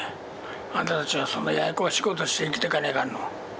あんたたちはそんなややこしいことして生きていかないかんの？